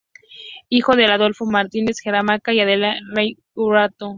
Hijo de Adolfo Fernández Jaraquemada y Adela Larraín Hurtado.